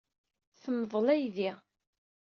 Temḍel aydi.